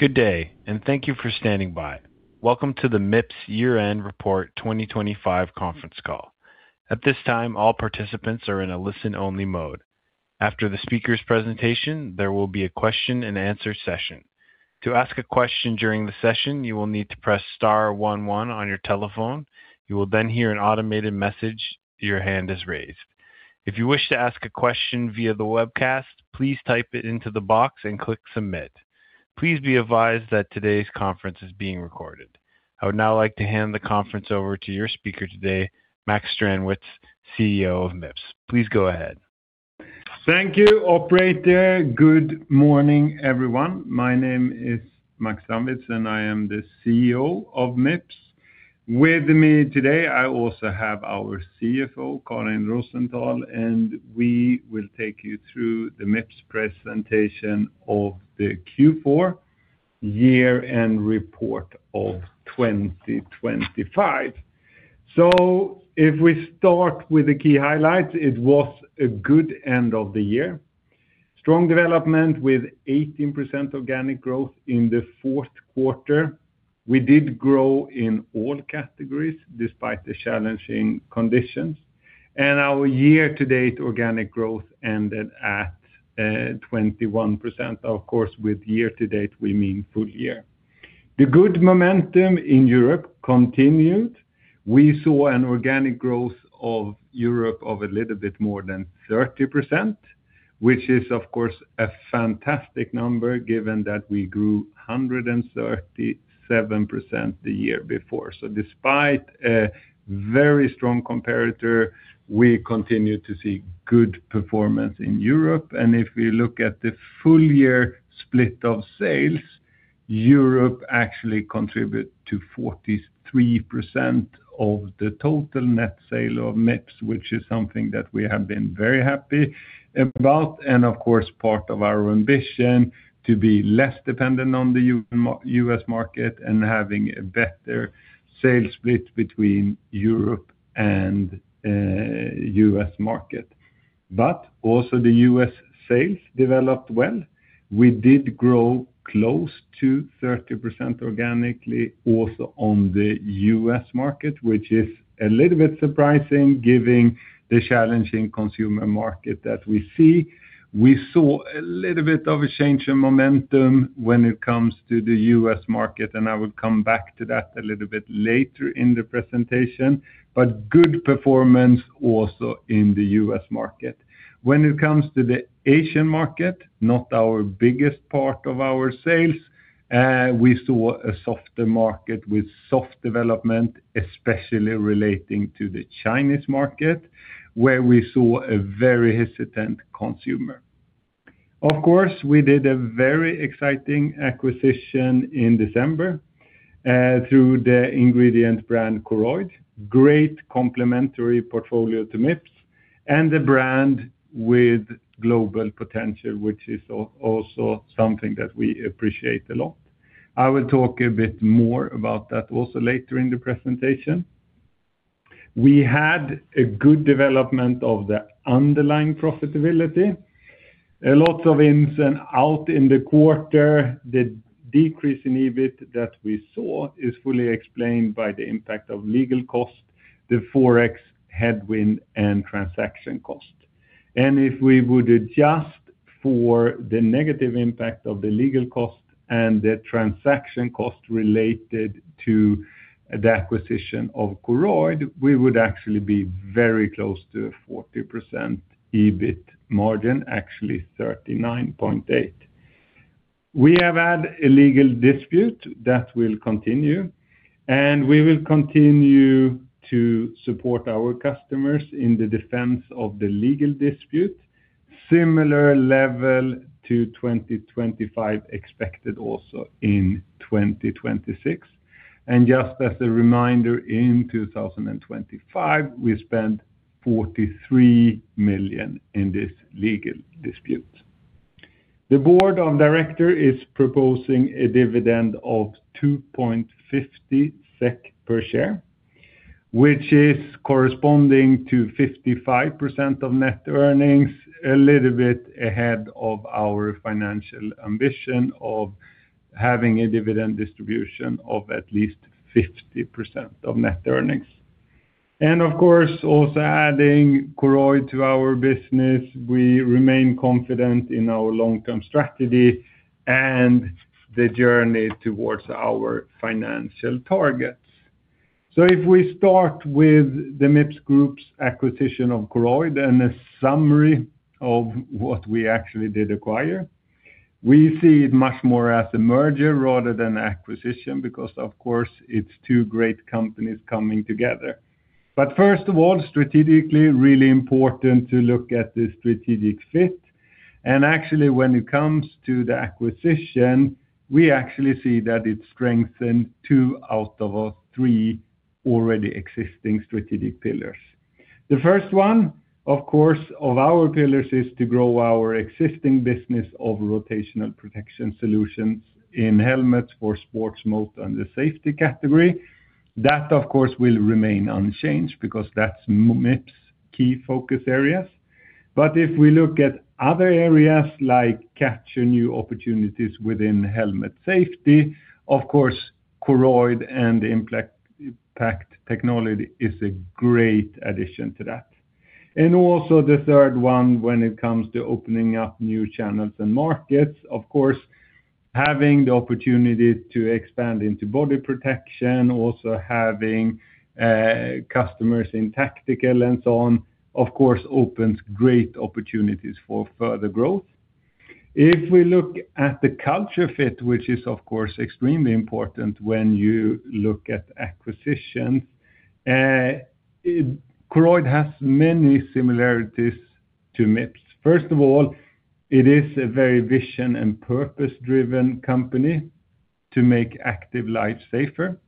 Good day, and thank you for standing by. Welcome to the Mips year-end report 2025 conference call. At this time, all participants are in a listen-only mode. After the speaker's presentation, there will be a question-and-answer session. To ask a question during the session, you will need to press star one one on your telephone. You will then hear an automated message: "Your hand is raised." If you wish to ask a question via the webcast, please type it into the box and click submit. Please be advised that today's conference is being recorded. I would now like to hand the conference over to your speaker today, Max Strandwitz, CEO of Mips. Please go ahead. Thank you, operator. Good morning, everyone. My name is Max Strandwitz, and I am the CEO of Mips. With me today, I also have our CFO, Karin Rosenthal, and we will take you through the Mips presentation of the Q4 year-end report of 2025. So if we start with the key highlights, it was a good end of the year. Strong development with 18% organic growth in the fourth quarter. We did grow in all categories despite the challenging conditions. Our year-to-date organic growth ended at 21%. Of course, with year-to-date, we mean full year. The good momentum in Europe continued. We saw an organic growth of Europe of a little bit more than 30%, which is, of course, a fantastic number given that we grew 137% the year before. So despite a very strong competitor, we continued to see good performance in Europe. And if we look at the full-year split of sales, Europe actually contributed to 43% of the total net sale of Mips, which is something that we have been very happy about and, of course, part of our ambition to be less dependent on the US market and having a better sales split between Europe and US market. But also the US sales developed well. We did grow close to 30% organically also on the US market, which is a little bit surprising given the challenging consumer market that we see. We saw a little bit of a change in momentum when it comes to the US market, and I will come back to that a little bit later in the presentation. But good performance also in the US market. When it comes to the Asian market, not our biggest part of our sales, we saw a softer market with soft development, especially relating to the Chinese market where we saw a very hesitant consumer. Of course, we did a very exciting acquisition in December through the ingredient brand Koroyd, great complementary portfolio to Mips, and a brand with global potential, which is also something that we appreciate a lot. I will talk a bit more about that also later in the presentation. We had a good development of the underlying profitability. A lot of ins and outs in the quarter. The decrease in EBIT that we saw is fully explained by the impact of legal cost, the forex headwind, and transaction cost. If we would adjust for the negative impact of the legal cost and the transaction cost related to the acquisition of Koroyd, we would actually be very close to a 40% EBIT margin, actually 39.8%. We have had a legal dispute that will continue, and we will continue to support our customers in the defense of the legal dispute, similar level to 2025 expected also in 2026. Just as a reminder, in 2025, we spent 43 million in this legal dispute. The board of directors is proposing a dividend of 2.50 SEK per share, which is corresponding to 55% of net earnings, a little bit ahead of our financial ambition of having a dividend distribution of at least 50% of net earnings. Of course, also adding Koroyd to our business, we remain confident in our long-term strategy and the journey towards our financial targets. So if we start with the Mips Group's acquisition of Koroyd and a summary of what we actually did acquire, we see it much more as a merger rather than an acquisition because, of course, it's two great companies coming together. First of all, strategically, really important to look at the strategic fit. Actually, when it comes to the acquisition, we actually see that it strengthened two out of three already existing strategic pillars. The first one, of course, of our pillars is to grow our existing business of rotational protection solutions in helmets for sports motor and the safety category. That, of course, will remain unchanged because that's Mips' key focus areas. If we look at other areas like capturing new opportunities within helmet safety, of course, Koroyd and Impact Technology is a great addition to that. Also the third one, when it comes to opening up new channels and markets, of course, having the opportunity to expand into body protection, also having customers in tactical and so on, of course, opens great opportunities for further growth. If we look at the culture fit, which is, of course, extremely important when you look at acquisitions, Koroyd has many similarities to Mips. First of all, it is a very vision and purpose-driven company to make active life safer.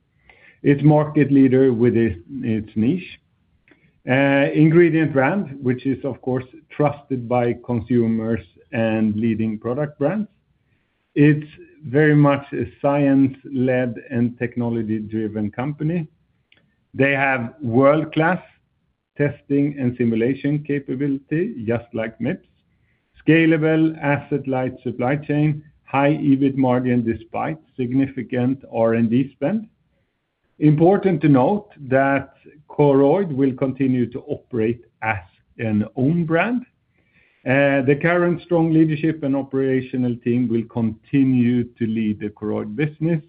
It's a market leader within its niche. Ingredient brand, which is, of course, trusted by consumers and leading product brands. It's very much a science-led and technology-driven company. They have world-class testing and simulation capability, just like Mips. Scalable asset-light supply chain, high EBIT margin despite significant R&D spend. Important to note that Koroyd will continue to operate as an own brand. The Koroyd leadership and operational team will continue to lead the Koroyd business.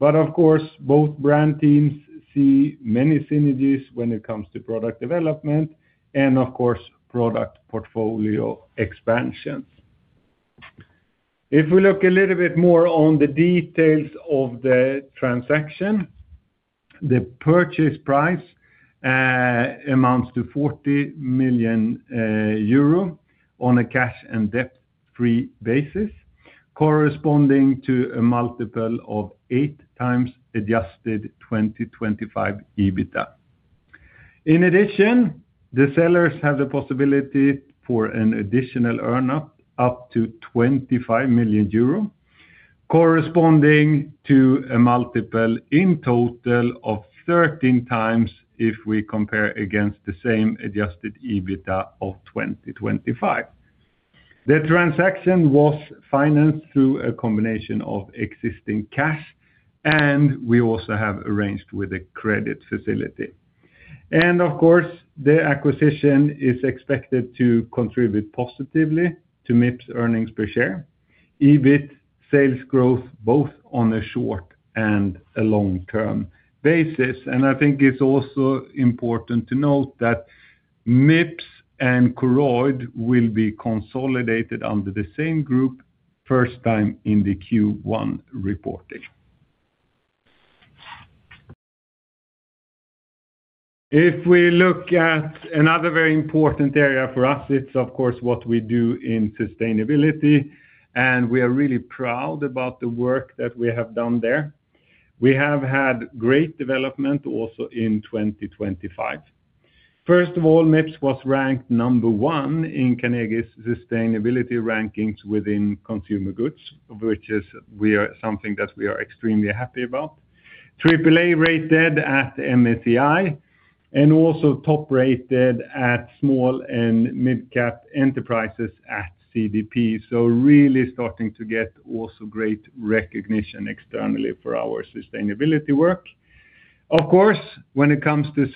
But of course, both brand teams see many synergies when it comes to product development and, of course, product portfolio expansions. If we look a little bit more on the details of the transaction, the purchase price amounts to 40 million euro on a cash and debt-free basis, corresponding to a multiple of 8x adjusted 2025 EBITDA. In addition, the sellers have the possibility for an additional earn-out up to 25 million euro, corresponding to a multiple in total of 13x if we compare against the same adjusted EBITDA of 2025. The transaction was financed through a combination of existing cash, and we also have arranged with a credit facility. Of course, the acquisition is expected to contribute positively to Mips' earnings per share, EBIT, sales growth both on a short- and long-term basis. I think it's also important to note that Mips and Koroyd will be consolidated under the same group for the first time in the Q1 reporting. If we look at another very important area for us, it's, of course, what we do in sustainability. We are really proud about the work that we have done there. We have had great development also in 2025. First of all, Mips was ranked number one in Carnegie's sustainability rankings within consumer goods, which is something that we are extremely happy about. AAA rated at MSCI and also top-rated at small and mid-cap enterprises at CDP. So really starting to get also great recognition externally for our sustainability work. Of course, when it comes to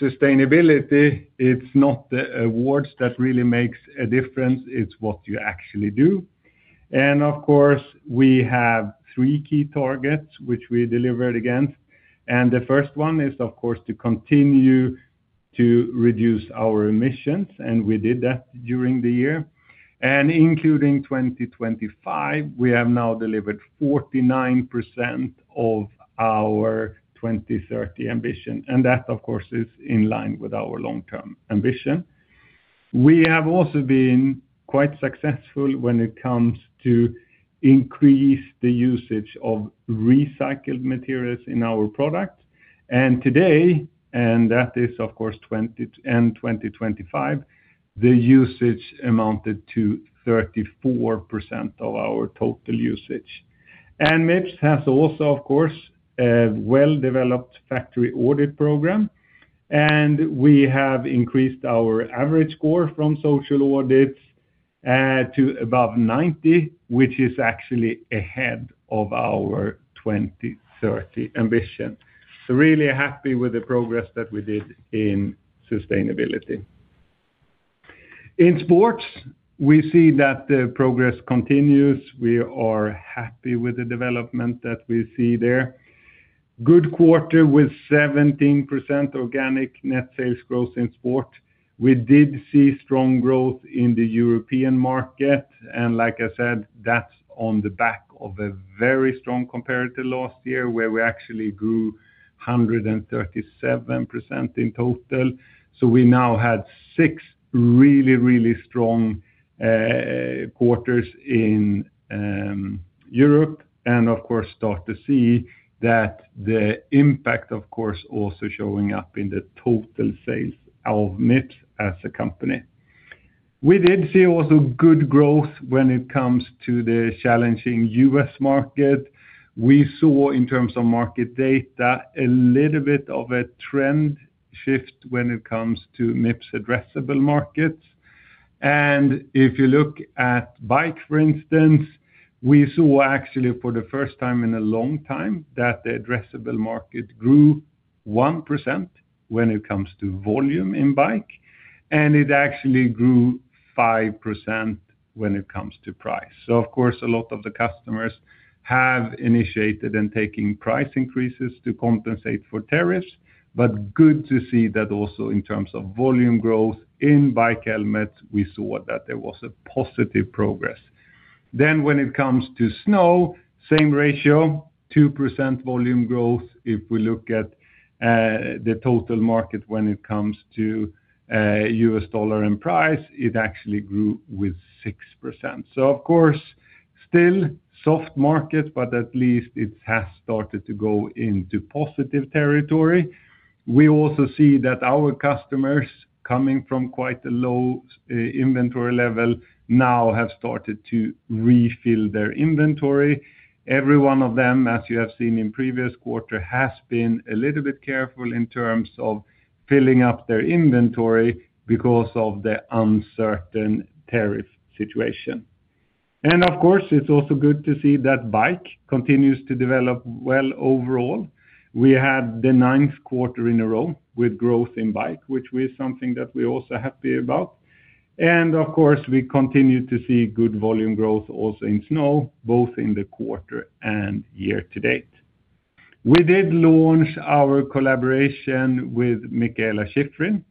sustainability, it's not the awards that really make a difference. It's what you actually do. And of course, we have three key targets which we delivered against. And the first one is, of course, to continue to reduce our emissions. And we did that during the year. And including 2025, we have now delivered 49% of our 2030 ambition. And that, of course, is in line with our long-term ambition. We have also been quite successful when it comes to increasing the usage of recycled materials in our products. And today, and that is, of course, end 2025, the usage amounted to 34% of our total usage. And Mips has also, of course, a well-developed factory audit program. And we have increased our average score from social audits to above 90, which is actually ahead of our 2030 ambition. So really happy with the progress that we did in sustainability. In sports, we see that the progress continues. We are happy with the development that we see there. Good quarter with 17% organic net sales growth in sport. We did see strong growth in the European market. And like I said, that's on the back of a very strong comparative last year where we actually grew 137% in total. So we now had six really, really strong quarters in Europe and, of course, start to see that the impact, of course, also showing up in the total sales of Mips as a company. We did see also good growth when it comes to the challenging U.S. market. We saw, in terms of market data, a little bit of a trend shift when it comes to Mips' addressable markets. If you look at bike, for instance, we saw actually for the first time in a long time that the addressable market grew 1% when it comes to volume in bike, and it actually grew 5% when it comes to price. So of course, a lot of the customers have initiated and taken price increases to compensate for tariffs. But good to see that also in terms of volume growth in bike helmets, we saw that there was a positive progress. Then when it comes to snow, same ratio, 2% volume growth. If we look at the total market when it comes to U.S. dollar and price, it actually grew with 6%. So of course, still soft market, but at least it has started to go into positive territory. We also see that our customers coming from quite a low inventory level now have started to refill their inventory. Every one of them, as you have seen in previous quarter, has been a little bit careful in terms of filling up their inventory because of the uncertain tariff situation. Of course, it's also good to see that bike continues to develop well overall. We had the ninth quarter in a row with growth in bike, which is something that we are also happy about. Of course, we continue to see good volume growth also in snow, both in the quarter and year to date. We did launch our collaboration with Mikaela Shiffrin,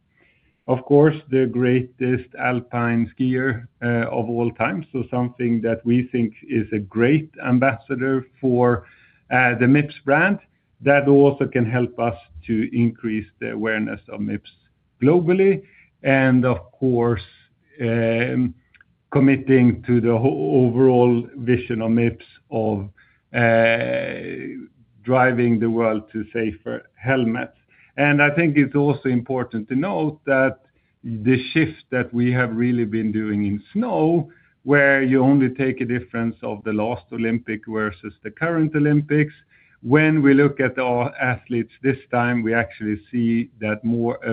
of course, the greatest alpine skier of all time. Something that we think is a great ambassador for the Mips brand that also can help us to increase the awareness of Mips globally and, of course, committing to the overall vision of Mips of driving the world to safer helmets. I think it's also important to note that the shift that we have really been doing in snow where you only take a difference of the last Olympic versus the current Olympics, when we look at our athletes this time, we actually see that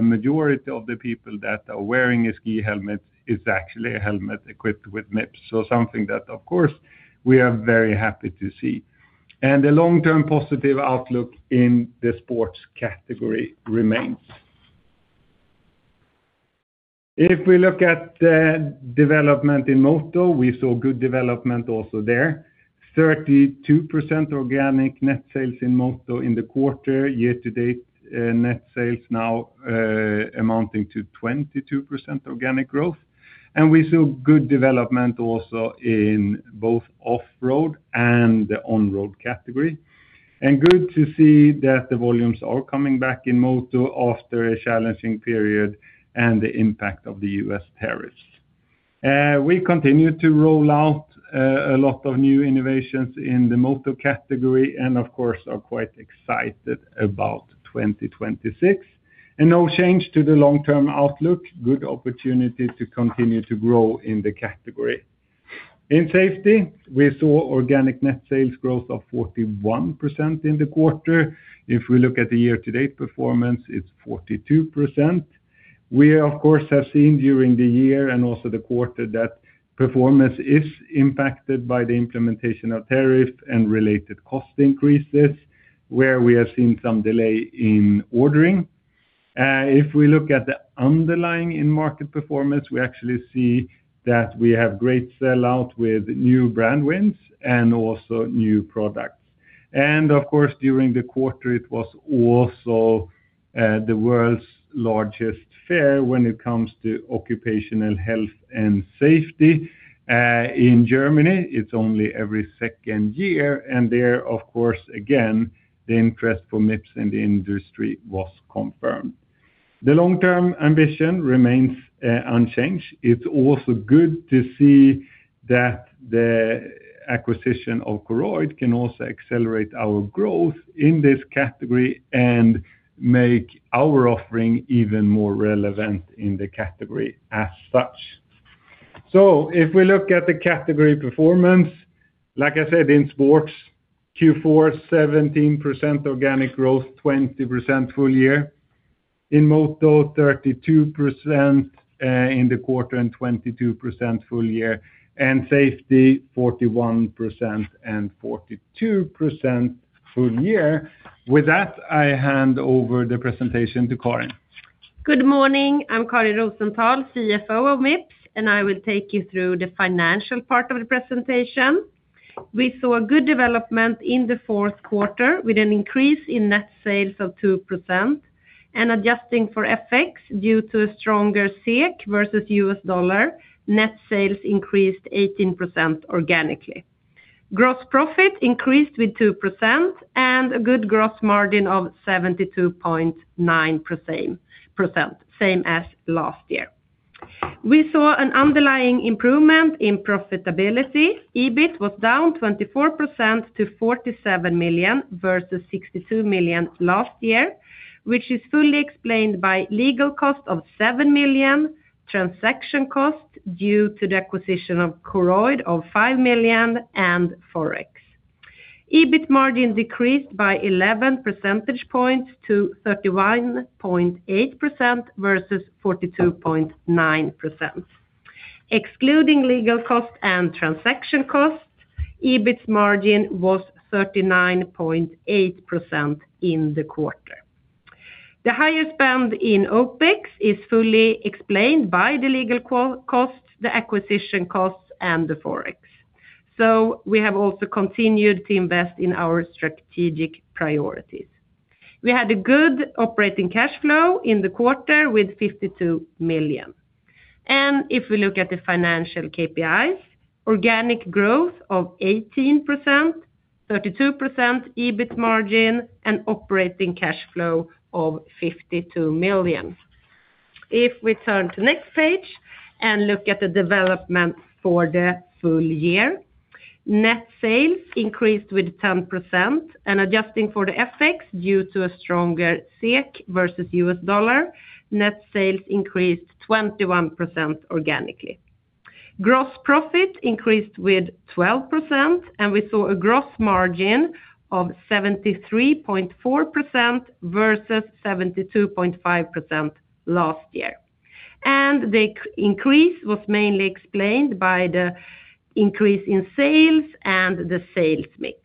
a majority of the people that are wearing ski helmets is actually a helmet equipped with Mips. So something that, of course, we are very happy to see. A long-term positive outlook in the sports category remains. If we look at the development in Moto, we saw good development also there. 32% organic net sales in Moto in the quarter, year-to-date net sales now amounting to 22% organic growth. We saw good development also in both off-road and the on-road category. Good to see that the volumes are coming back in Moto after a challenging period and the impact of the U.S. tariffs. We continue to roll out a lot of new innovations in the Moto category and, of course, are quite excited about 2026. No change to the long-term outlook, good opportunity to continue to grow in the category. In safety, we saw organic net sales growth of 41% in the quarter. If we look at the year-to-date performance, it's 42%. We, of course, have seen during the year and also the quarter that performance is impacted by the implementation of tariff and related cost increases where we have seen some delay in ordering. If we look at the underlying in-market performance, we actually see that we have great sellout with new brand wins and also new products. Of course, during the quarter, it was also the world's largest fair when it comes to occupational health and safety. In Germany, it's only every second year. And there, of course, again, the interest for Mips in the industry was confirmed. The long-term ambition remains unchanged. It's also good to see that the acquisition of Koroyd can also accelerate our growth in this category and make our offering even more relevant in the category as such. So if we look at the category performance, like I said, in sports, Q4, 17% organic growth, 20% full year. In Moto, 32% in the quarter and 22% full year. And safety, 41% and 42% full year. With that, I hand over the presentation to Karin. Good morning. I'm Karin Rosenthal, CFO of Mips, and I will take you through the financial part of the presentation. We saw good development in the fourth quarter with an increase in net sales of 2%. Adjusting for FX due to a stronger SEK versus U.S. dollar, net sales increased 18% organically. Gross profit increased with 2% and a good gross margin of 72.9%, same as last year. We saw an underlying improvement in profitability. EBIT was down 24% to 47 million versus 62 million last year, which is fully explained by legal cost of 7 million, transaction cost due to the acquisition of Koroyd of 5 million, and forex. EBIT margin decreased by 11 percentage points to 31.8% versus 42.9%. Excluding legal cost and transaction cost, EBIT's margin was 39.8% in the quarter. The higher spend in OpEx is fully explained by the legal costs, the acquisition costs, and the forex. We have also continued to invest in our strategic priorities. We had a good operating cash flow in the quarter with 52 million. If we look at the financial KPIs, organic growth of 18%, 32% EBIT margin, and operating cash flow of 52 million. If we turn to the next page and look at the development for the full year, net sales increased with 10%. Adjusting for the FX due to a stronger SEK versus US dollar, net sales increased 21% organically. Gross profit increased with 12%, and we saw a gross margin of 73.4% versus 72.5% last year. The increase was mainly explained by the increase in sales and the sales mix.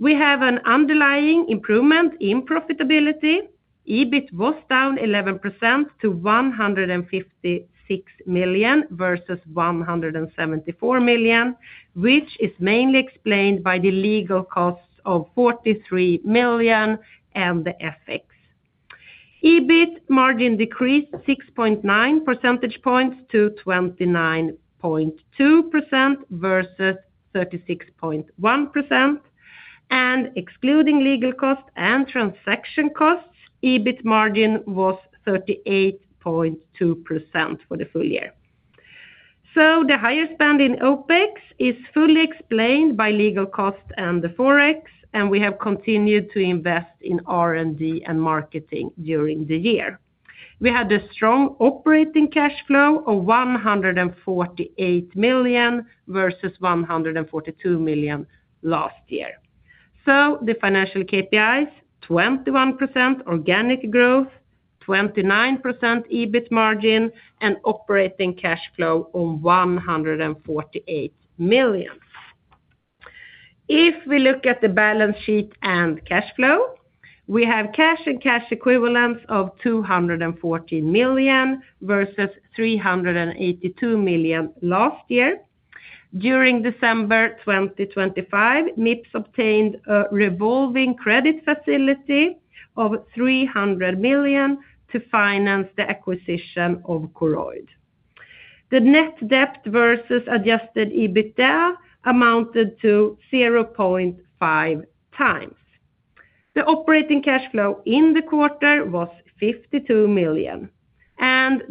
We have an underlying improvement in profitability. EBIT was down 11% to 156 million versus 174 million, which is mainly explained by the legal costs of 43 million and the FX. EBIT margin decreased 6.9 percentage points to 29.2% versus 36.1%. Excluding legal costs and transaction costs, EBIT margin was 38.2% for the full year. The higher spend in OpEx is fully explained by legal costs and the forex, and we have continued to invest in R&D and marketing during the year. We had a strong operating cash flow of 148 million versus 142 million last year. The financial KPIs, 21% organic growth, 29% EBIT margin, and operating cash flow of 148 million. If we look at the balance sheet and cash flow, we have cash and cash equivalents of 214 million versus 382 million last year. During December 2025, Mips obtained a revolving credit facility of 300 million to finance the acquisition of Koroyd. The net debt versus adjusted EBITDA amounted to 0.5x. The operating cash flow in the quarter was 52 million.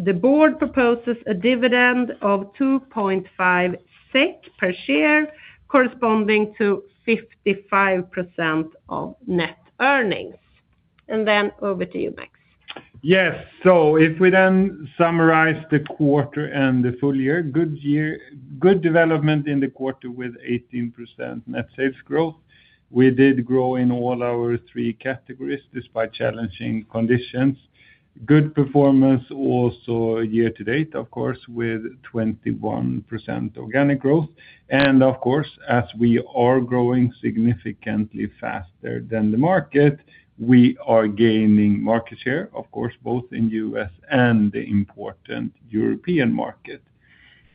The board proposes a dividend of 2.5 SEK per share, corresponding to 55% of net earnings. Then over to you, Max. Yes. So if we then summarize the quarter and the full year, good development in the quarter with 18% net sales growth. We did grow in all our three categories despite challenging conditions. Good performance also year to date, of course, with 21% organic growth. And of course, as we are growing significantly faster than the market, we are gaining market share, of course, both in U.S. and the important European market.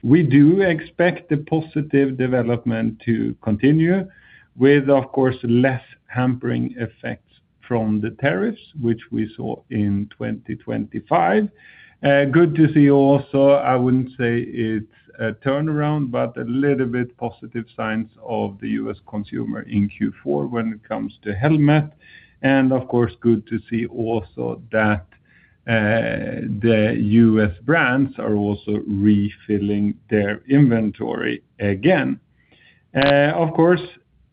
We do expect the positive development to continue with, of course, less hampering effects from the tariffs, which we saw in 2025. Good to see also, I wouldn't say it's a turnaround, but a little bit positive signs of the U.S. consumer in Q4 when it comes to helmet. And of course, good to see also that the U.S. brands are also refilling their inventory again. Of course,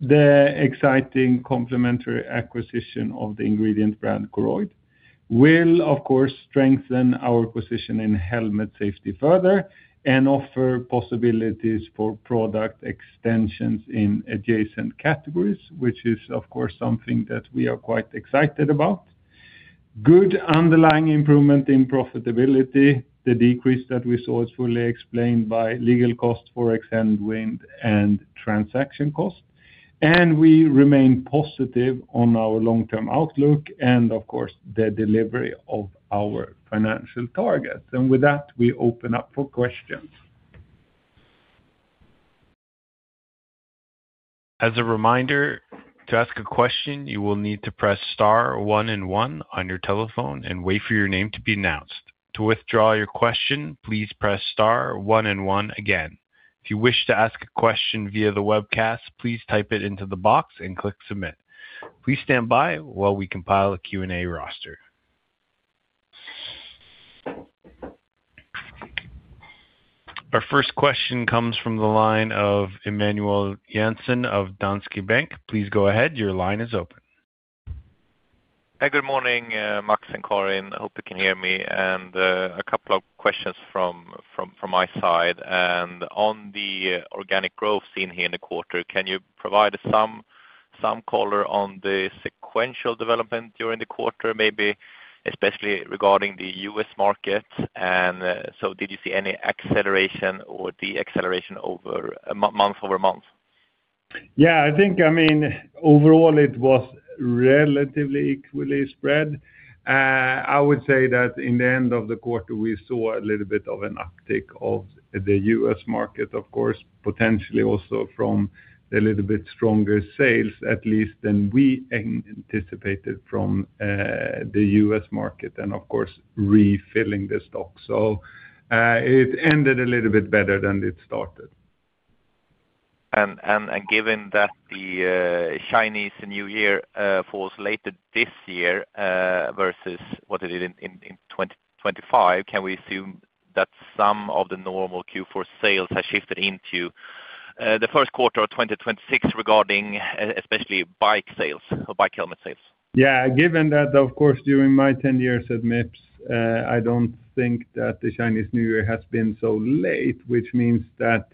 the exciting complementary acquisition of the ingredient brand Koroyd will, of course, strengthen our position in helmet safety further and offer possibilities for product extensions in adjacent categories, which is, of course, something that we are quite excited about. Good underlying improvement in profitability. The decrease that we saw is fully explained by legal costs, for example, wind and transaction costs. We remain positive on our long-term outlook and, of course, the delivery of our financial targets. With that, we open up for questions. As a reminder, to ask a question, you will need to press star one and one on your telephone and wait for your name to be announced. To withdraw your question, please press star one and one again. If you wish to ask a question via the webcast, please type it into the box and click submit. Please stand by while we compile a Q&A roster. Our first question comes from the line of Emanuel Jansson of Danske Bank. Please go ahead. Your line is open. Hey, good morning, Max and Karin. I hope you can hear me. A couple of questions from my side. On the organic growth seen here in the quarter, can you provide some color on the sequential development during the quarter, maybe, especially regarding the U.S. market? So did you see any acceleration or deceleration month-over-month? Yeah. I mean, overall, it was relatively equally spread. I would say that in the end of the quarter, we saw a little bit of an uptick of the U.S. market, of course, potentially also from a little bit stronger sales, at least than we anticipated from the U.S. market and, of course, refilling the stock. So it ended a little bit better than it started. Given that the Chinese New Year falls later this year versus what it did in 2025, can we assume that some of the normal Q4 sales have shifted into the first quarter of 2026 regarding especially bike sales or bike helmet sales? Yeah. Given that, of course, during my 10 years at Mips, I don't think that the Chinese New Year has been so late, which means that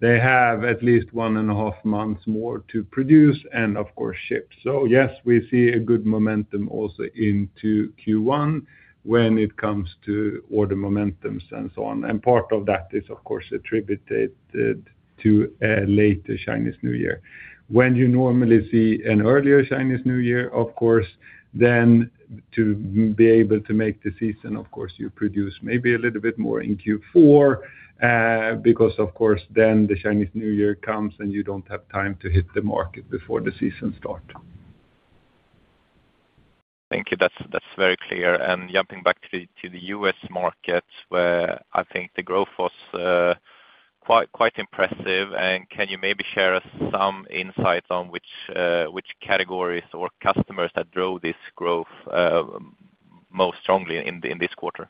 they have at least one and a half months more to produce and, of course, ship. So yes, we see a good momentum also into Q1 when it comes to order momentums and so on. And part of that is, of course, attributed to a later Chinese New Year. When you normally see an earlier Chinese New Year, of course, then to be able to make the season, of course, you produce maybe a little bit more in Q4 because, of course, then the Chinese New Year comes and you don't have time to hit the market before the season starts. Thank you. That's very clear. Jumping back to the U.S. market, I think the growth was quite impressive. Can you maybe share us some insights on which categories or customers that drove this growth most strongly in this quarter?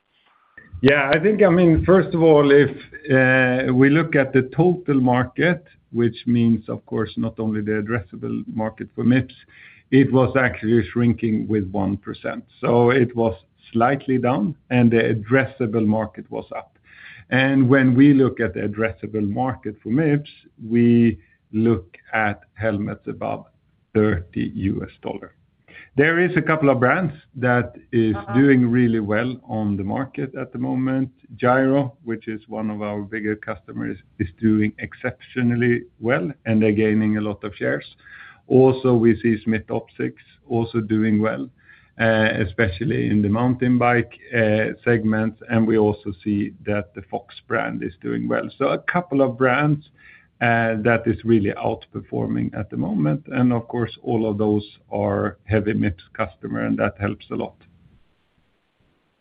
Yeah. I mean, first of all, if we look at the total market, which means, of course, not only the addressable market for Mips, it was actually shrinking with 1%. So it was slightly down, and the addressable market was up. And when we look at the addressable market for Mips, we look at helmets above $30. There is a couple of brands that is doing really well on the market at the moment. Giro, which is one of our bigger customers, is doing exceptionally well, and they're gaining a lot of shares. Also, we see Smith Optics also doing well, especially in the mountain bike segments. And we also see that the Fox brand is doing well. So a couple of brands that is really outperforming at the moment. And of course, all of those are heavy Mips customers, and that helps a lot.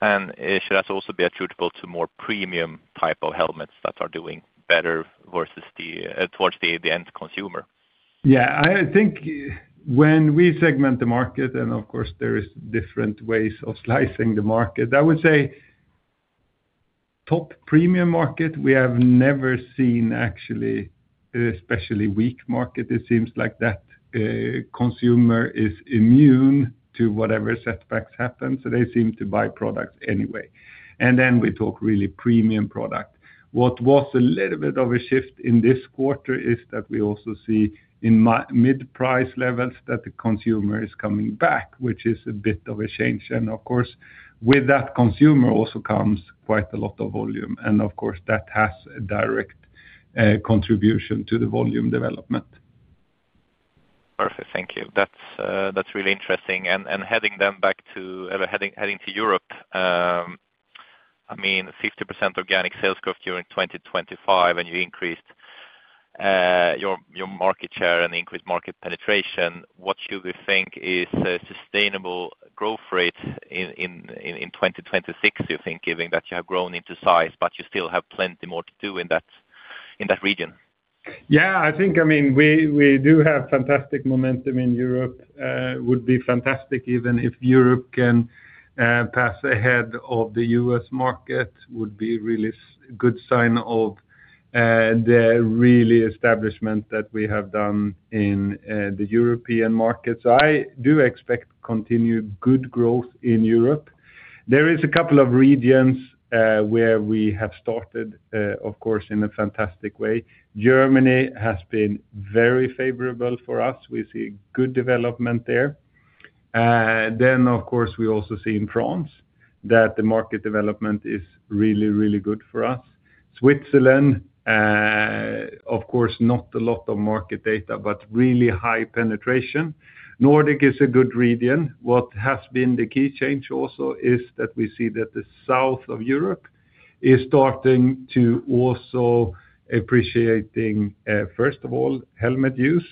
Should that also be attributable to more premium type of helmets that are doing better towards the end consumer? Yeah. I think when we segment the market, and of course, there are different ways of slicing the market. I would say top premium market, we have never seen actually especially weak market. It seems like that consumer is immune to whatever setbacks happen. So they seem to buy products anyway. And then we talk really premium product. What was a little bit of a shift in this quarter is that we also see in mid-price levels that the consumer is coming back, which is a bit of a change. And of course, with that consumer also comes quite a lot of volume. And of course, that has a direct contribution to the volume development. Perfect. Thank you. That's really interesting. And heading back to Europe, I mean, 50% organic sales growth during 2025, and you increased your market share and increased market penetration. What should we think is a sustainable growth rate in 2026, you think, given that you have grown into size, but you still have plenty more to do in that region? Yeah. I think, I mean, we do have fantastic momentum in Europe. It would be fantastic even if Europe can pass ahead of the US market. It would be a really good sign of the really establishment that we have done in the European market. So I do expect continued good growth in Europe. There are a couple of regions where we have started, of course, in a fantastic way. Germany has been very favorable for us. We see good development there. Then, of course, we also see in France that the market development is really, really good for us. Switzerland, of course, not a lot of market data, but really high penetration. Nordic is a good region. What has been the key change also is that we see that the South of Europe is starting to also appreciate, first of all, helmet use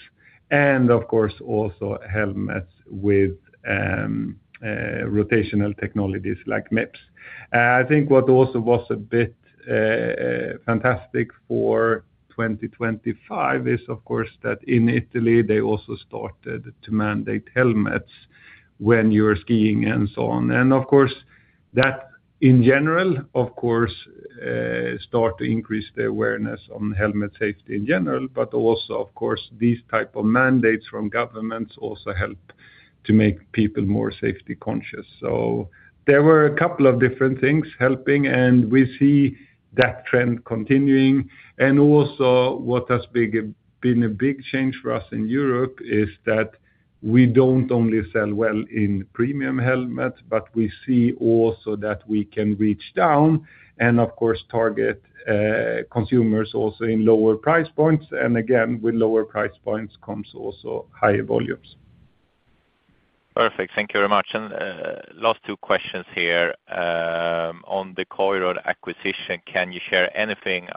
and, of course, also helmets with rotational technologies like Mips. I think what also was a bit fantastic for 2025 is, of course, that in Italy, they also started to mandate helmets when you're skiing and so on. And of course, that, in general, of course, starts to increase the awareness on helmet safety in general. But also, of course, these type of mandates from governments also help to make people more safety conscious. So there were a couple of different things helping, and we see that trend continuing. Also, what has been a big change for us in Europe is that we don't only sell well in premium helmets, but we see also that we can reach down and, of course, target consumers also in lower price points. Again, with lower price points comes also higher volumes. Perfect. Thank you very much. Last two questions here. On the Koroyd acquisition, can you share anything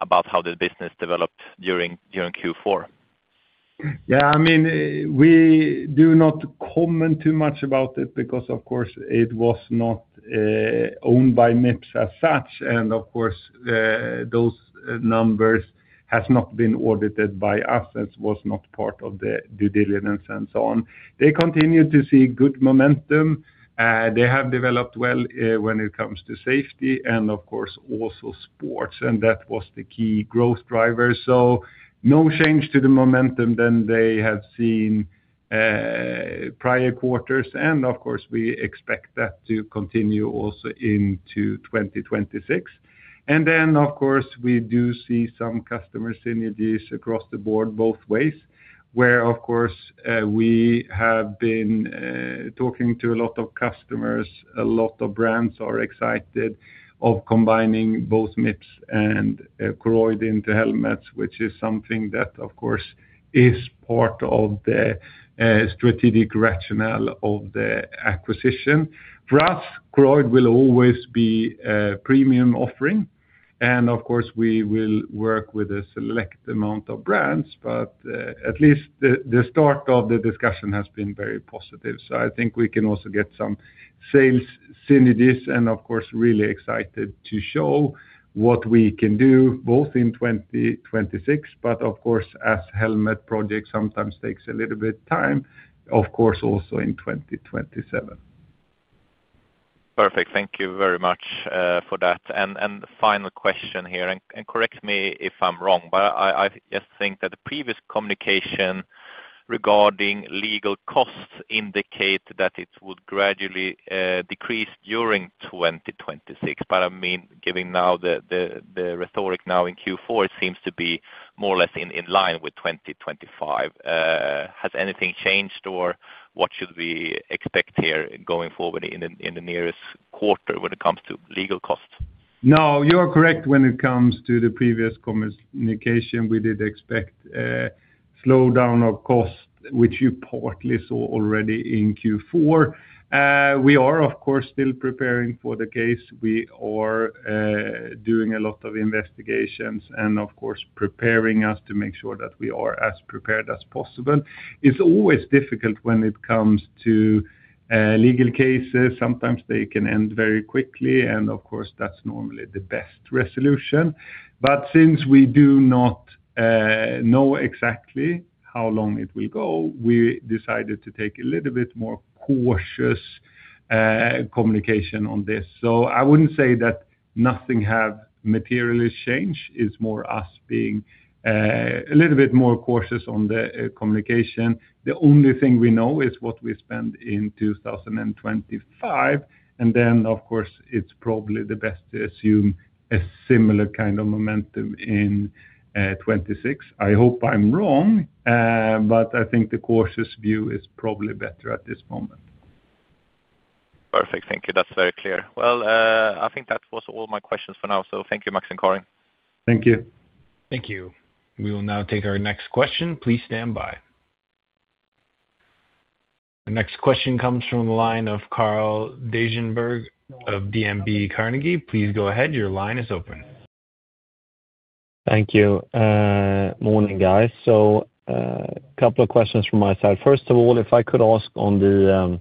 about how the business developed during Q4? Yeah. I mean, we do not comment too much about it because, of course, it was not owned by Mips as such. And of course, those numbers have not been audited by us. It was not part of the due diligence and so on. They continue to see good momentum. They have developed well when it comes to safety and, of course, also sports. And that was the key growth driver. So no change to the momentum than they have seen prior quarters. And of course, we expect that to continue also into 2026. And then, of course, we do see some customer synergies across the board both ways where, of course, we have been talking to a lot of customers. A lot of brands are excited of combining both Mips and Koroyd into helmets, which is something that, of course, is part of the strategic rationale of the acquisition. For us, Koroyd will always be a premium offering. And of course, we will work with a select amount of brands. But at least the start of the discussion has been very positive. So I think we can also get some sales synergies and, of course, really excited to show what we can do both in 2026, but of course, as helmet projects sometimes take a little bit of time, of course, also in 2027. Perfect. Thank you very much for that. Final question here. Correct me if I'm wrong, but I just think that the previous communication regarding legal costs indicates that it would gradually decrease during 2026. But I mean, given now the rhetoric now in Q4, it seems to be more or less in line with 2025. Has anything changed, or what should we expect here going forward in the nearest quarter when it comes to legal costs? No. You are correct when it comes to the previous communication. We did expect a slowdown of cost, which you partly saw already in Q4. We are, of course, still preparing for the case. We are doing a lot of investigations and, of course, preparing us to make sure that we are as prepared as possible. It's always difficult when it comes to legal cases. Sometimes they can end very quickly. Of course, that's normally the best resolution. But since we do not know exactly how long it will go, we decided to take a little bit more cautious communication on this. So I wouldn't say that nothing has materially changed. It's more us being a little bit more cautious on the communication. The only thing we know is what we spend in 2025. And then, of course, it's probably the best to assume a similar kind of momentum in 2026. I hope I'm wrong, but I think the cautious view is probably better at this moment. Perfect. Thank you. That's very clear. Well, I think that was all my questions for now. So thank you, Max and Karin. Thank you. Thank you. We will now take our next question. Please stand by. Our next question comes from the line of Carl Deijenberg of DNB Carnegie. Please go ahead. Your line is open. Thank you. Morning, guys. So a couple of questions from my side. First of all, if I could ask on the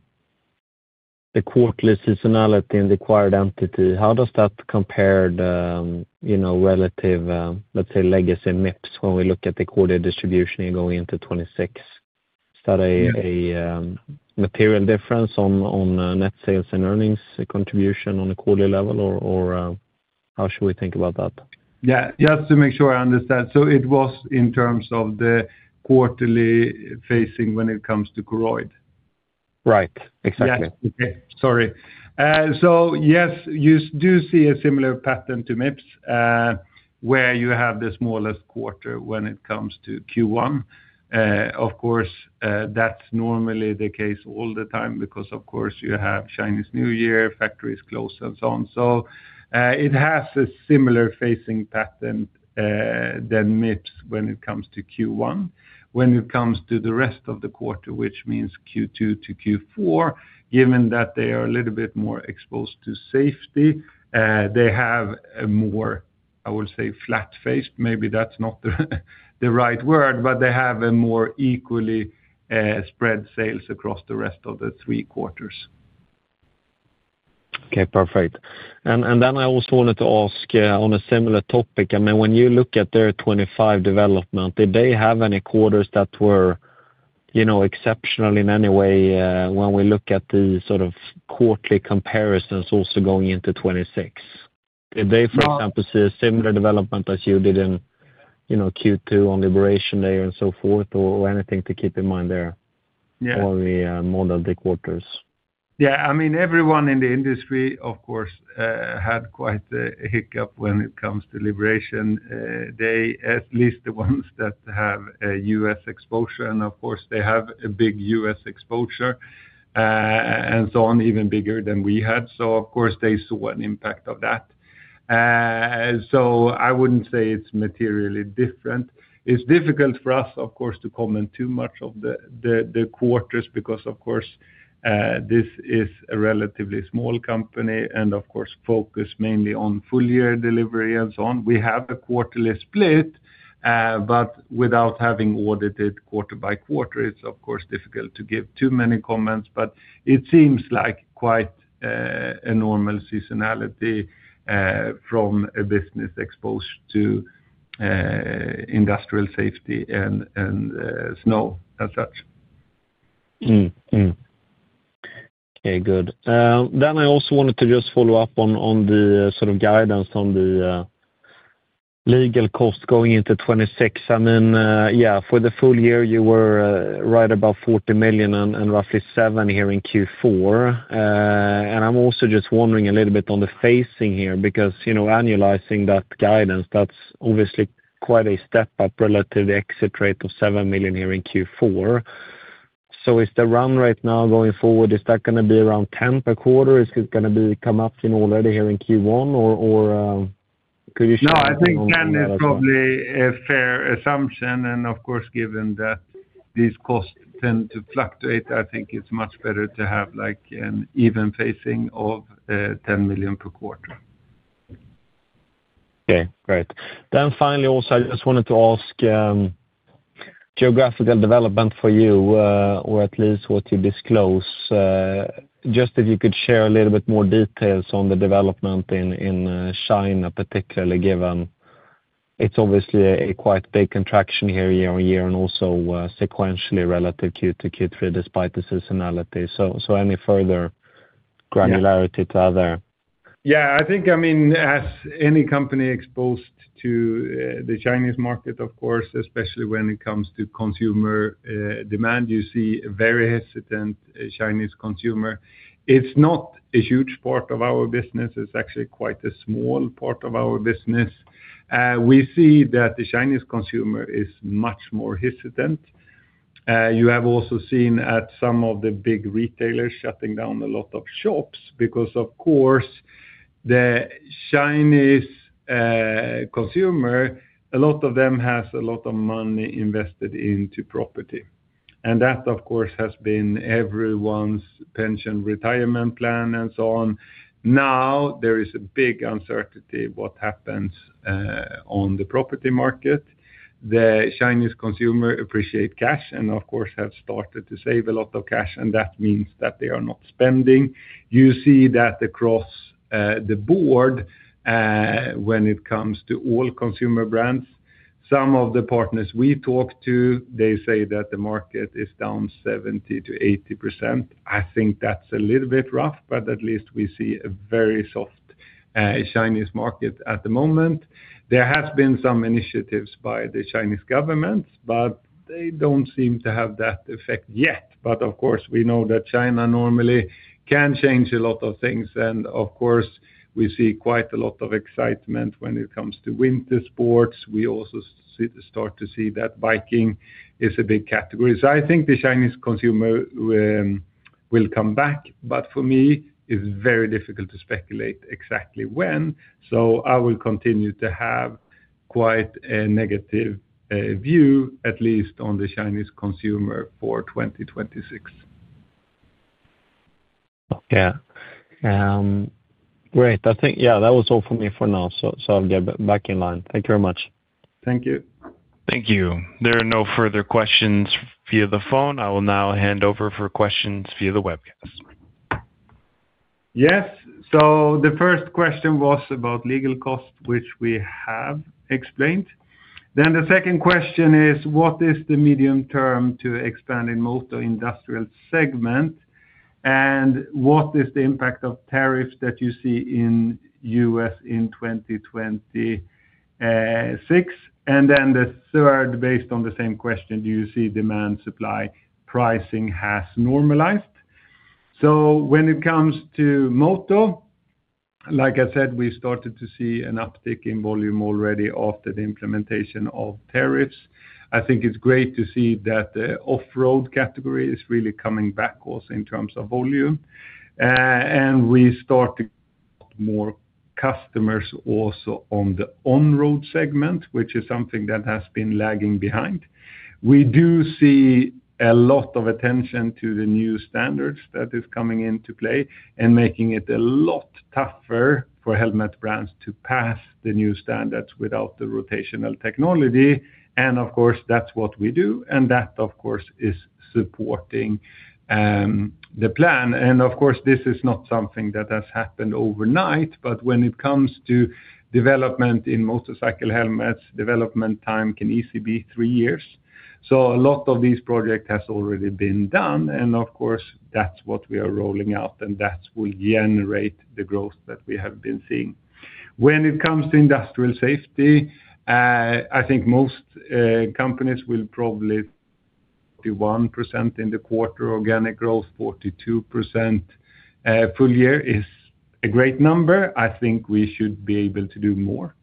quarterly seasonality in the acquired entity, how does that compare to relative, let's say, legacy Mips when we look at the quarterly distribution here going into 2026? Is that a material difference on net sales and earnings contribution on a quarterly level, or how should we think about that? Yeah. Just to make sure I understand. It was in terms of the quarterly facing when it comes to Koroyd? Right. Exactly. Yes. Okay. Sorry. So yes, you do see a similar pattern to Mips where you have the smallest quarter when it comes to Q1. Of course, that's normally the case all the time because, of course, you have Chinese New Year, factories close, and so on. So it has a similar facing pattern than Mips when it comes to Q1. When it comes to the rest of the quarter, which means Q2 to Q4, given that they are a little bit more exposed to safety, they have a more, I would say, flat-faced. Maybe that's not the right word, but they have a more equally spread sales across the rest of the three quarters. Okay. Perfect. And then I also wanted to ask on a similar topic. I mean, when you look at their 2025 development, did they have any quarters that were exceptional in any way when we look at the sort of quarterly comparisons also going into 2026? Did they, for example, see a similar development as you did in Q2 on Labor Day and so forth, or anything to keep in mind there on the model de-quarters? Yeah. I mean, everyone in the industry, of course, had quite a hiccup when it comes to Labor Day, at least the ones that have U.S. exposure. And of course, they have a big U.S. exposure and so on, even bigger than we had. So of course, they saw an impact of that. So I wouldn't say it's materially different. It's difficult for us, of course, to comment too much on the quarters because, of course, this is a relatively small company and, of course, focused mainly on full-year delivery and so on. We have a quarterly split, but without having audited quarter by quarter, it's, of course, difficult to give too many comments. But it seems like quite a normal seasonality from a business exposed to industrial safety and snow as such. Okay. Good. Then I also wanted to just follow up on the sort of guidance on the legal costs going into 2026. I mean, yeah, for the full year, you were right about 40 million and roughly 7 million here in Q4. And I'm also just wondering a little bit on the facing here because annualizing that guidance, that's obviously quite a step up relative to the exit rate of 7 million here in Q4. So is the run rate now going forward, is that going to be around 10 million per quarter? Is it going to come up already here in Q1, or could you share? No. I think 10 is probably a fair assumption. Of course, given that these costs tend to fluctuate, I think it's much better to have an averaging of 10 million per quarter. Okay. Great. Then, finally, also, I just wanted to ask geographical development for you or at least what you disclose. Just if you could share a little bit more details on the development in China, particularly given it's obviously a quite big contraction here year-on-year and also sequentially relative Q2, Q3 despite the seasonality. So any further granularity to that there? Yeah. I think, I mean, as any company exposed to the Chinese market, of course, especially when it comes to consumer demand, you see a very hesitant Chinese consumer. It's not a huge part of our business. It's actually quite a small part of our business. We see that the Chinese consumer is much more hesitant. You have also seen some of the big retailers shutting down a lot of shops because, of course, the Chinese consumer, a lot of them have a lot of money invested into property. And that, of course, has been everyone's pension retirement plan and so on. Now, there is a big uncertainty what happens on the property market. The Chinese consumer appreciates cash and, of course, has started to save a lot of cash. And that means that they are not spending. You see that across the board when it comes to all consumer brands. Some of the partners we talk to, they say that the market is down 70%-80%. I think that's a little bit rough, but at least we see a very soft Chinese market at the moment. There have been some initiatives by the Chinese governments, but they don't seem to have that effect yet. But of course, we know that China normally can change a lot of things. And of course, we see quite a lot of excitement when it comes to winter sports. We also start to see that biking is a big category. So I think the Chinese consumer will come back. But for me, it's very difficult to speculate exactly when. So I will continue to have quite a negative view, at least on the Chinese consumer for 2026. Okay. Great. Yeah. That was all from me for now. So I'll get back in line. Thank you very much. Thank you. Thank you. There are no further questions via the phone. I will now hand over for questions via the webcast. Yes. So the first question was about legal costs, which we have explained. Then the second question is, what is the medium term to expanding motor industrial segment? And what is the impact of tariffs that you see in the US in 2026? And then the third, based on the same question, do you see demand-supply pricing has normalized? So when it comes to motor, like I said, we started to see an uptick in volume already after the implementation of tariffs. I think it's great to see that the off-road category is really coming back also in terms of volume. And we start to get more customers also on the on-road segment, which is something that has been lagging behind. We do see a lot of attention to the new standards that is coming into play and making it a lot tougher for helmet brands to pass the new standards without the rotational technology. And of course, that's what we do. And that, of course, is supporting the plan. And of course, this is not something that has happened overnight. But when it comes to development in motorcycle helmets, development time can easily be three years. So a lot of these projects have already been done. And of course, that's what we are rolling out, and that will generate the growth that we have been seeing. When it comes to industrial safety, I think most companies will probably see 41% in the quarter organic growth, 42% full year. It's a great number. I think we should be able to do more.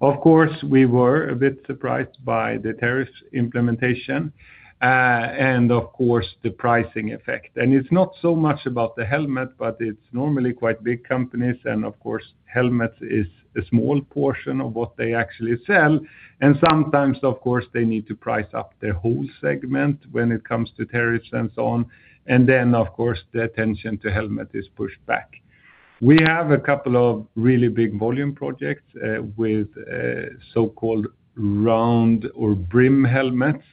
Of course, we were a bit surprised by the tariffs implementation and, of course, the pricing effect. And it's not so much about the helmet, but it's normally quite big companies. And of course, helmets are a small portion of what they actually sell. And sometimes, of course, they need to price up their whole segment when it comes to tariffs and so on. And then, of course, the attention to helmets is pushed back. We have a couple of really big volume projects with so-called round or brim helmets,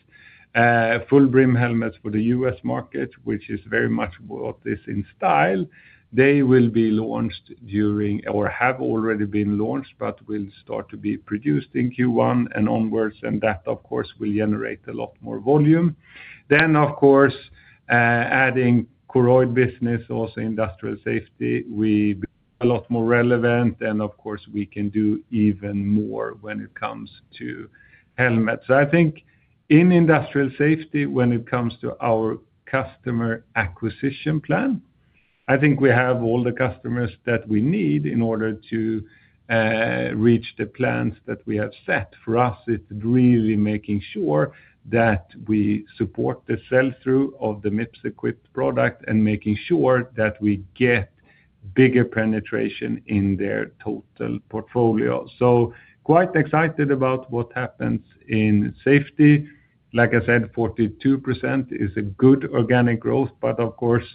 full brim helmets for the U.S. market, which is very much what is in style. They will be launched during or have already been launched but will start to be produced in Q1 and onwards. And that, of course, will generate a lot more volume. Then, of course, adding Koroyd business, also industrial safety, we become a lot more relevant. Of course, we can do even more when it comes to helmets. So I think in industrial safety, when it comes to our customer acquisition plan, I think we have all the customers that we need in order to reach the plans that we have set. For us, it's really making sure that we support the sell-through of the Mips equipped product and making sure that we get bigger penetration in their total portfolio. So quite excited about what happens in safety. Like I said, 42% is a good organic growth. But of course,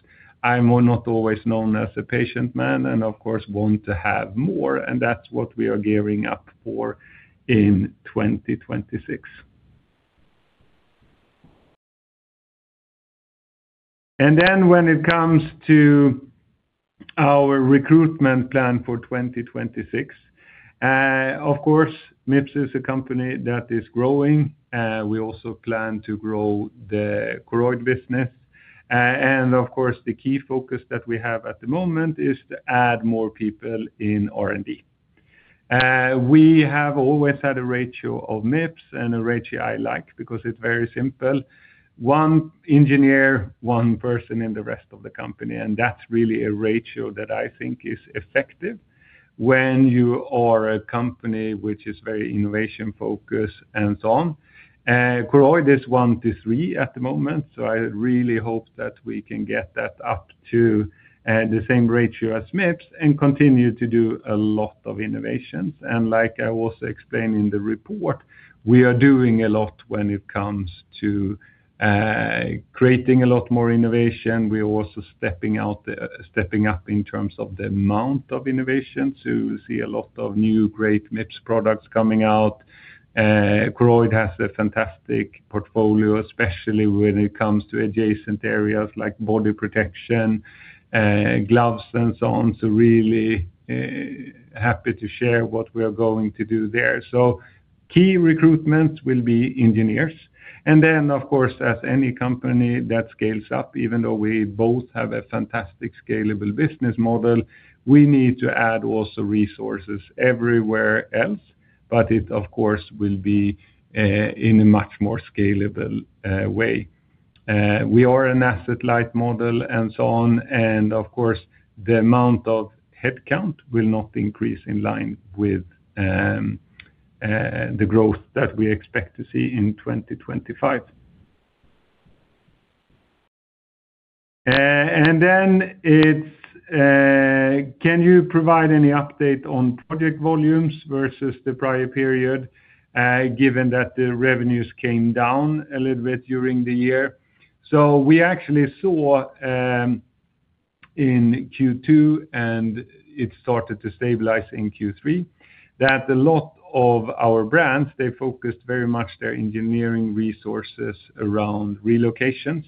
I'm not always known as a patient man and, of course, want to have more. And that's what we are gearing up for in 2026. And then when it comes to our recruitment plan for 2026, of course, Mips is a company that is growing. We also plan to grow the Koroyd business. Of course, the key focus that we have at the moment is to add more people in R&D. We have always had a ratio at Mips and a ratio I like because it's very simple: one engineer, one person in the rest of the company. And that's really a ratio that I think is effective when you are a company which is very innovation-focused and so on. Koroyd is 1 to 3 at the moment. So I really hope that we can get that up to the same ratio as Mips and continue to do a lot of innovations. And like I also explained in the report, we are doing a lot when it comes to creating a lot more innovation. We are also stepping up in terms of the amount of innovation. So you will see a lot of new great Mips products coming out. Koroyd has a fantastic portfolio, especially when it comes to adjacent areas like body protection, gloves, and so on. So really happy to share what we are going to do there. So key recruitments will be engineers. And then, of course, as any company that scales up, even though we both have a fantastic scalable business model, we need to add also resources everywhere else. But it, of course, will be in a much more scalable way. We are an asset-light model and so on. And of course, the amount of headcount will not increase in line with the growth that we expect to see in 2025. And then can you provide any update on project volumes versus the prior period, given that the revenues came down a little bit during the year? So we actually saw in Q2, and it started to stabilize in Q3, that a lot of our brands, they focused very much their engineering resources around relocations,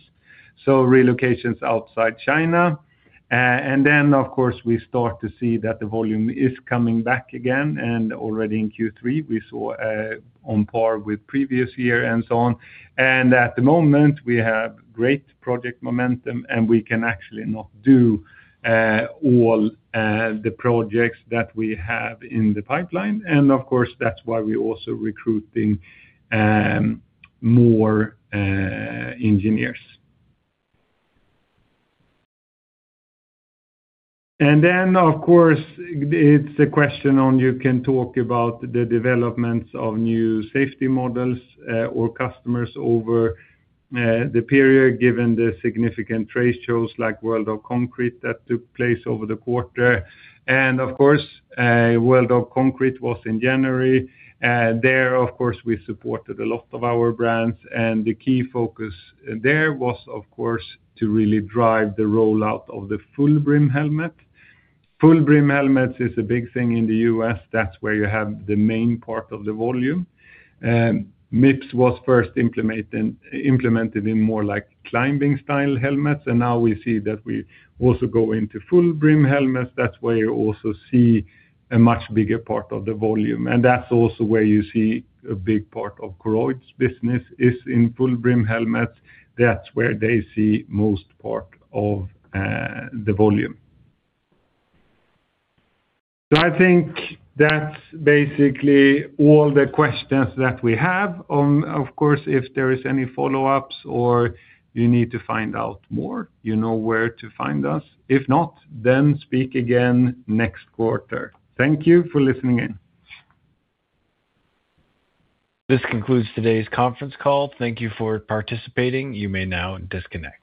so relocations outside China. And then, of course, we start to see that the volume is coming back again. And already in Q3, we saw on par with previous year and so on. And at the moment, we have great project momentum, and we can actually not do all the projects that we have in the pipeline. And of course, that's why we're also recruiting more engineers. And then, of course, it's a question on you can talk about the developments of new safety models or customers over the period given the significant trade shows like World of Concrete that took place over the quarter. And of course, World of Concrete was in January. There, of course, we supported a lot of our brands. The key focus there was, of course, to really drive the rollout of the full brim helmet. Full brim helmets is a big thing in the US. That's where you have the main part of the volume. Mips was first implemented in more like climbing-style helmets. Now we see that we also go into full brim helmets. That's where you also see a much bigger part of the volume. That's also where you see a big part of Koroyd's business is in full brim helmets. That's where they see most part of the volume. So I think that's basically all the questions that we have. Of course, if there are any follow-ups or you need to find out more, you know where to find us. If not, then speak again next quarter. Thank you for listening in. This concludes today's conference call. Thank you for participating. You may now disconnect.